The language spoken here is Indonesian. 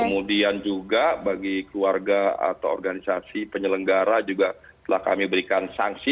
kemudian juga bagi keluarga atau organisasi penyelenggara juga telah kami berikan sanksi